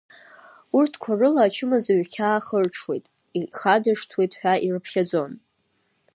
Урҭқәа рыла ачымазаҩ ихьаа хырҽуеит, ихадыршҭуеит ҳәа ирыԥхьаӡон.